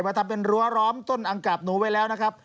ทำเป็นรั้วล้อมต้นอังกราบหนูไว้แล้วนะครับ